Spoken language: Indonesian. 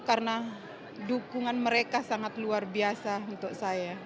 karena dukungan mereka sangat luar biasa untuk saya